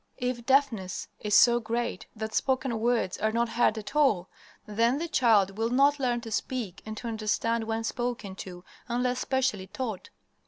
If deafness is so great that spoken words are not heard at all, then the child will not learn to speak and to understand when spoken to unless specially taught.